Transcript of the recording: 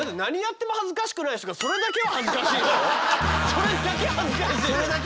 それだけ恥ずかしいの？